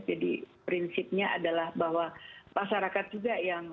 jadi prinsipnya adalah bahwa masyarakat juga yang